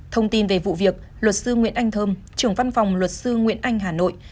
thông tin về vụ việc luật sư nguyễn anh thơm trưởng văn phòng luật sư nguyễn anh hà nội